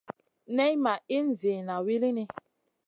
Nay ma ihn ziyna wulini.